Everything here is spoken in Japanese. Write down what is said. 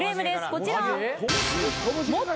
こちら。